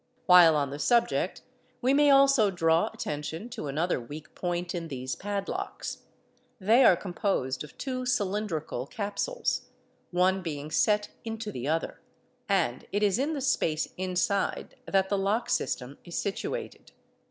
While on the subject we may also draw :: attention to another weak point in these padlocks; they are composed of two cylindrical capsules, one being set into the other, and it is in k the space inside that the lock system is situated.